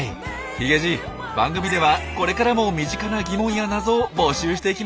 ヒゲじい番組ではこれからも身近な疑問や謎を募集していきますよ。